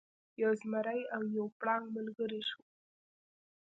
یو زمری او یو پړانګ ملګري شول.